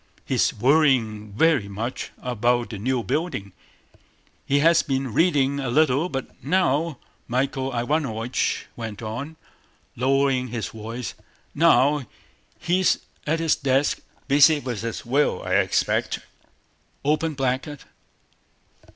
"He's worrying very much about the new building. He has been reading a little, but now"—Michael Ivánovich went on, lowering his voice—"now he's at his desk, busy with his will, I expect."